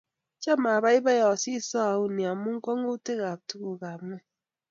Cham abaibai asise oino amu kwongutik kab tuguk kab ngweny